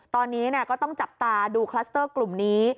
ตอนนี้ก็ต้องจับตาดูคลัสเตอร์กลุ่มนี้